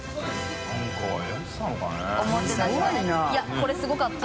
これすごかった。